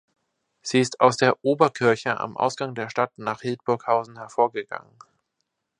Sie ist aus der „Oberkirche“ am Ausgang der Stadt nach Hildburghausen hervorgegangen.